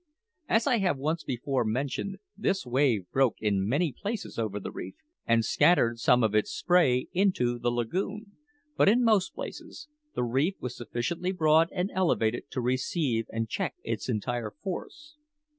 As I have once before mentioned, this wave broke in many places over the reef and scattered some of its spray into the lagoon; but in most places the reef was sufficiently broad and elevated to receive and check its entire force.